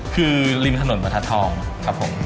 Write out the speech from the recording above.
คือริมถนนมะทัดธอง